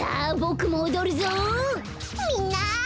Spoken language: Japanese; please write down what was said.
みんな！